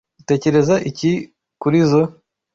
Utekereza iki kurizoi?